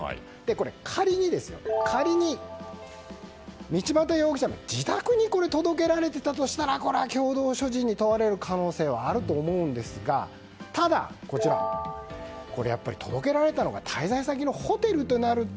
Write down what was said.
これが仮に道端容疑者の自宅に届けられていたとしたらこれは共同所持に問われる可能性はあると思うんですがただ、やっぱり届けられたのが滞在先のホテルとなると。